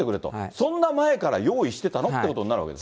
そんな前から用意してたのってことになるわけですね。